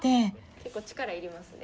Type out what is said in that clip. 結構力要りますね。